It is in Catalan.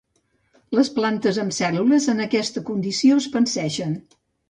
Les plantes amb cèl·lules en aquesta condició es panseixen.